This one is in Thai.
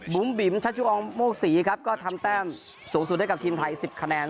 บุ๋มบิ๋มชาชุอองโมกษีครับก็ทำแต้มสูงสูงด้วยกับทีมไทย๑๐คะแนน